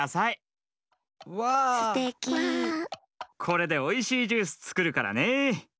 これでおいしいジュースつくるからね！